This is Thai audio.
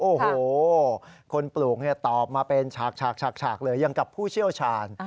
โอ้โหคนปลูกตอบมาเป็นฉากเลยยังกับผู้เชี่ยวชาญ